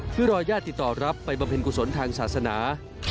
เพื่อรอญาติติดต่อรับไปบำเพ็ญกุศลทางศาสนา